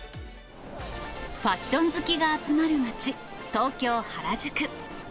ファッション好きが集まる街、東京・原宿。